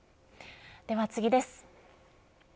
では次です。